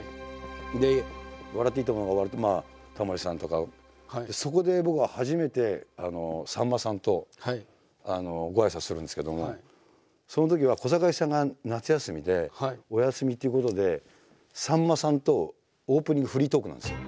で「笑っていいとも！」が終わるとまあタモリさんとか。そこで僕は初めてさんまさんとごあいさつするんですけどもそのときは小堺さんが夏休みでお休みっていうことでさんまさんとオープニングフリートークなんですよ。